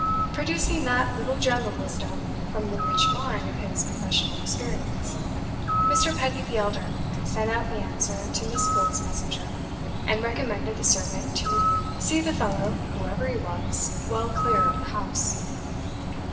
Producing that little gem of wisdom from the rich mine of his professional experience, Mr. Pedgift the elder sent out the answer to Miss Gwilt's messenger, and recommended the servant to "see the fellow, whoever he was, well clear of the house."